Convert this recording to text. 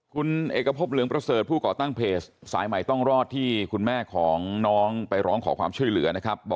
คุณเอกพบเหลืองประเสริฐผู้ก่อตั้งเพจสายใหม่ต้องรอดที่คุณแม่ของน้องไปร้องขอความช่วยเหลือนะครับ